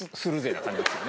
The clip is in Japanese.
な感じですよね。